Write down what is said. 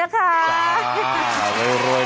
จัดกระบวนพร้อมกัน